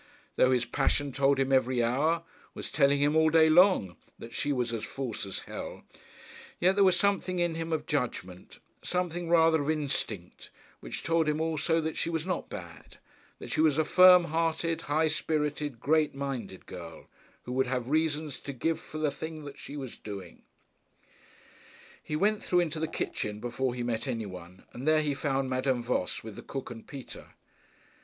Though his passion told him every hour, was telling him all day long, that she was as false as hell, yet there was something in him of judgment, something rather of instinct, which told him also that she was not bad, that she was a firm hearted, high spirited, great minded girl, who would have reasons to give for the thing that she was doing. He went through into the kitchen before he met any one, and there he found Madame Voss with the cook and Peter.